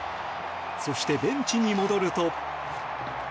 そして、ベンチに戻ると。